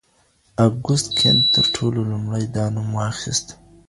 اګوست کنت تر ټولو لومړی دا نوم واخيست.